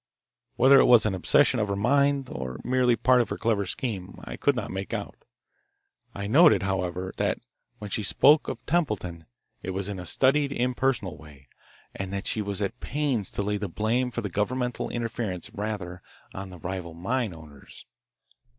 Whether it was an obsession of her mind, or merely part of her clever scheme, I could not make out. I noted, however, that when she spoke of Templeton it was in a studied, impersonal way, and that she was at pains to lay the blame for the governmental interference rather on the rival mine owners.